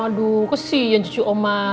aduh kesian cucu oma